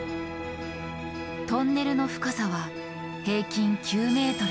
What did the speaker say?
トンネルの深さは平均９ｍ。